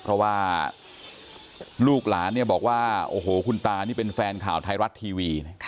เพราะว่าลูกหลานบอกว่าโอ้โหคุณตานี่เป็นแฟนข่าวไทยรัฐทีวี